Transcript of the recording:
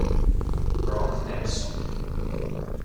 Brock Nelson